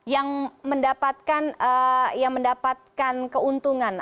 yang mendapatkan keuntungan